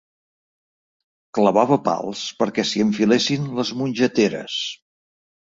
Clavava pals perquè s'hi enfilessin les mongeteres.